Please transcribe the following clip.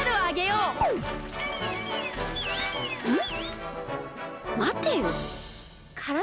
うん！